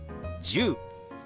１０。